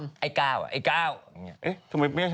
นี่ไงทำไมเป็น๑๙๑๘หรอ